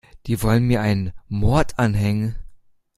Die wollen mir einen Mord anhängen.